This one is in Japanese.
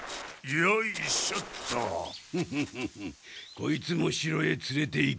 こいつも城へつれていけ。